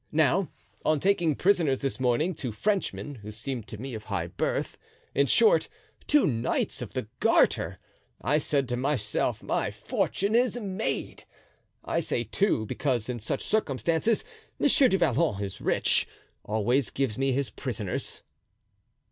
Now, on taking prisoners, this morning, two Frenchmen, who seemed to me of high birth—in short, two knights of the Garter—I said to myself, my fortune is made. I say two, because in such circumstances, Monsieur du Vallon, who is rich, always gives me his prisoners."